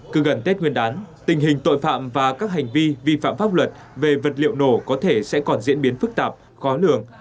cứ gần tết nguyên đán tình hình tội phạm và các hành vi vi phạm pháp luật về vật liệu nổ có thể sẽ còn diễn biến phức tạp khó lường